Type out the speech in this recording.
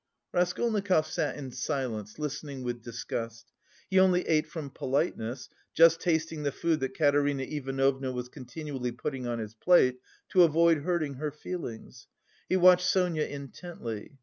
Raskolnikov sat in silence, listening with disgust. He only ate from politeness, just tasting the food that Katerina Ivanovna was continually putting on his plate, to avoid hurting her feelings. He watched Sonia intently.